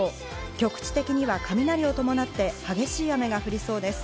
局地的には雷を伴って激しい雨が降りそうです。